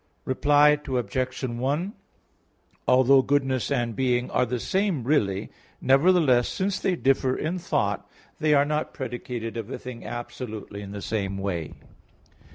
Reply Obj. 1: Although goodness and being are the same really, nevertheless since they differ in thought, they are not predicated of a thing absolutely in the same way.